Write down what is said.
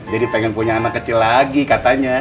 jadi pengen punya anak kecil lagi katanya